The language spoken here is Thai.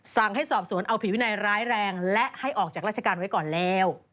สั่งให้สอบสวนเอาผิดวินัยร้ายแรงและให้ออกจากราชการไว้ก่อนแล้ว